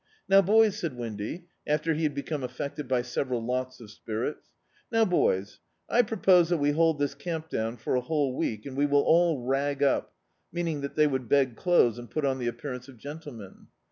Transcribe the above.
"Now, bojrs," said Windy, after he had become affected by several lots of spirits — "Now, boys, I propose that we hold this camp down for a whole week, and we will all rag up" — mean ing that they would beg clothes and put on the appearance of gentlemen.